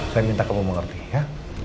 saya minta kamu mengerti ya